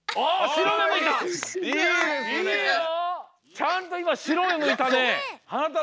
ちゃんといましろめむいたね。